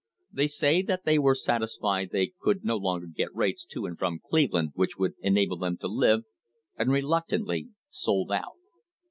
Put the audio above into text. They say that they were satisfied they :ould no longer get rates to and from Cleveland which would nable them to live, and "reluctantly" sold out.